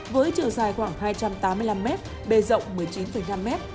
với chiều dài khoảng hai trăm tám mươi năm m bề rộng một mươi chín năm m